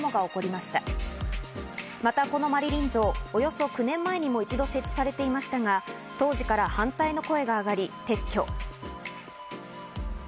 またこのマリリン像、およそ９年前にも一度設置されていましたが、当時から反対の声があがり撤去。